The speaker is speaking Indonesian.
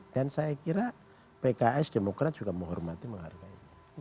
dan saya kira pks demokrat juga menghormati menghargai